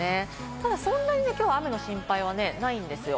ただそんなに今日は雨の心配はないんですよ。